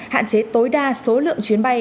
hạn chế tối đa số lượng chuyến bay